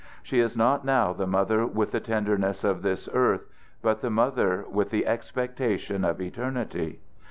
She is not now the mother with the tenderness of this earth but the mother with the expectation of eternity.